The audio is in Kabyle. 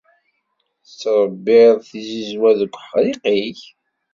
Tettṛebbiḍ tizizwa deg uḥṛiq-ik?